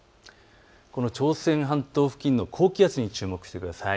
朝鮮半島付近の高気圧に注目してください。